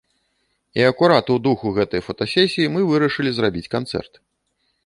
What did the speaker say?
І акурат у духу гэтай фотасесіі мы вырашылі зрабіць канцэрт.